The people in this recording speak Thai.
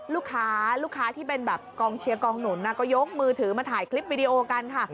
ลูกค้าลูกค้าที่เป็นแบบกองเชียร์กองหนุนก็ยกมือถือมาถ่ายคลิปวิดีโอกันค่ะ